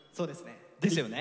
ですよね。